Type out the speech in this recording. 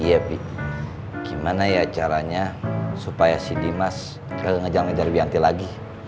iya pi gimana ya caranya supaya si dimas gak ngejar ngejar bianti lagi